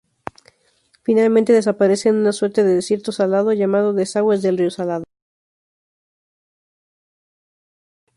Finalmente desaparece en una suerte de desierto salado, llamado Desagües del río Salado.